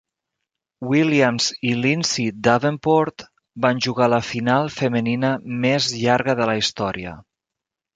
Williams i Lindsay Davenport van jugar la final femenina més llarga de la història.